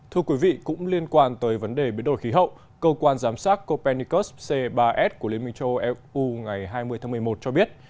thưa quý vị cũng liên quan tới vấn đề biến đổi khí hậu cơ quan giám sát copennicus c ba s của liên minh châu âu eu ngày hai mươi tháng một mươi một cho biết